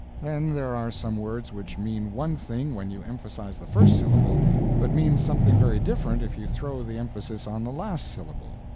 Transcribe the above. Then there are some words which mean one thing when you emphasize the first syllable, but mean something very different if you throw the emphasis on the last syllable.